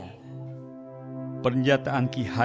ya akan sia sia nantinya